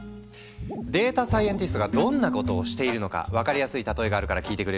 データサイエンティストがどんなことをしているのか分かりやすい例えがあるから聞いてくれる？